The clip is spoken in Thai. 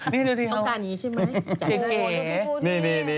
นี่ดูสิครับต้องการอย่างนี้ใช่มั้ยเก๋นี่เห็นไหมล่ะ